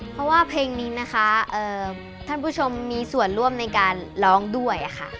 เพราะว่าเพลงนี้นะคะท่านผู้ชมมีส่วนร่วมในการร้องด้วยค่ะ